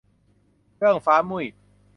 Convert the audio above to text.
เอื้องฟ้ามุ่ย